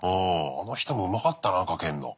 あの人もうまかったなかけるの。